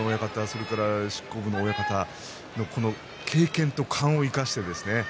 それから執行部の親方経験と勘を生かしてですね。